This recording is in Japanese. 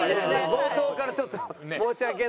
冒頭からちょっと申し訳ないなと。